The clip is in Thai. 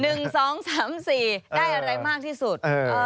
ได้อะไรมากที่สุด